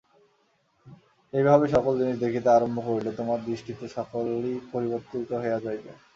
এইভাবে সকল জিনিষ দেখিতে আরম্ভ করিলে তোমার দৃষ্টিতে সকলই পরিবর্তিত হইয়া যাইবে।